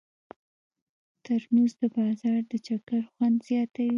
ترموز د بازار د چکر خوند زیاتوي.